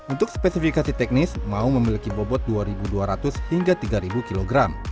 untuk spesifikasi teknis maung memiliki bobot dua dua ratus hingga tiga kg